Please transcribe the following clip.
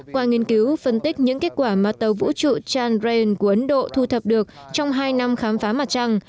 qua nghiên cứu phân tích những kết quả mà tàu vũ trụ chanbrain của ấn độ thu thập được trong hai năm khám phá mặt trăng